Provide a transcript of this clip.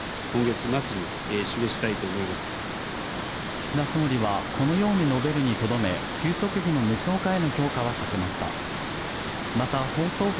岸田総理はこのように述べるにとどめ、給食費の無償化への評価は避けました。